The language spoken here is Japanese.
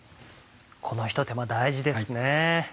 このひと手間大事ですね。